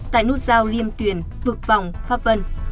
tại nút giao liêm tuyển vực vòng pháp vân